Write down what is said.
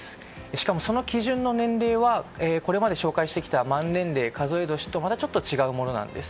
しかも、その基準の年齢はこれまで紹介してきた満年齢、数え年とまたちょっと違うものなんです。